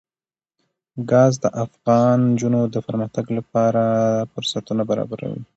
ګاز د افغان نجونو د پرمختګ لپاره فرصتونه برابروي.